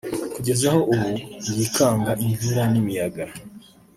kugeza aho ubu yikanga imvura n’imiyaga